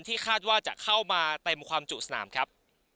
คาดว่าจะเข้ามาเต็มความจุสนามครับ